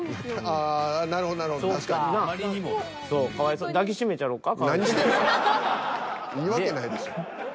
いいわけないでしょ。